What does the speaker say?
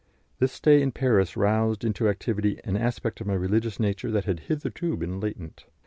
This stay in Paris roused into activity an aspect of my religious nature that had hitherto been latent.